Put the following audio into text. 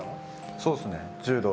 そうですね。